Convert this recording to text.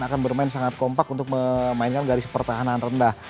akan bermain sangat kompak untuk memainkan garis pertahanan rendah